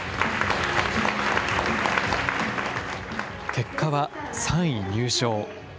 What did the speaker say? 結果は３位入賞。